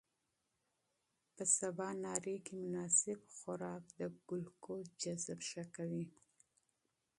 په سباناري کې مناسب خوراک د ګلوکوز جذب ښه کوي.